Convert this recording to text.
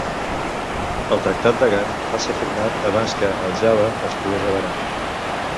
El Tractat de Gant va ser firmat abans que el "Java" es pogués avarar.